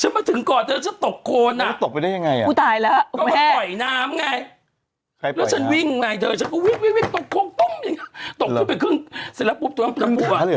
ไม่ให้แม่ลงไปเล่นน้ำตรงนั้น